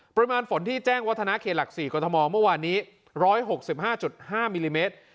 ปริมาณฝนที่แจ้งวัฒนาเขตหลัก๔กรทมเมื่อวานนี้๑๖๕๕มิลลิเมตร